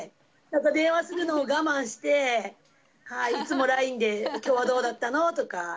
電話するのを我慢して、いつもＬＩＮＥで、きょうはどうだったの？とか。